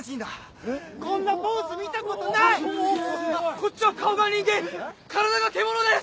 こっちは顔が人間体が獣です！